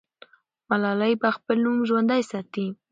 ملالۍ به خپل نوم ژوندی ساتي.